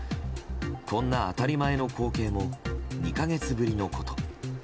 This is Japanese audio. こんな当たり前の光景も２か月ぶりのこと。